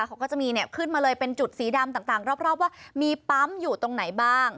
เขาก็จะมีเนี่ยขึ้นมาเลยเป็นจุดสีดำต่างรอบว่ามีปั๊มอยู่ตรงไหนบ้าง